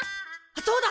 そうだ！